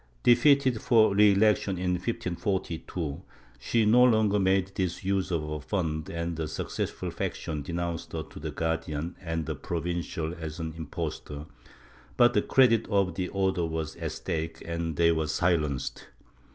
Defeated for re election in 1542, she no longer made this use of her funds and the successful faction denounced her to the Guardian and the Provincial as an impostor, but the credit of the Order was at stake and they were silenced.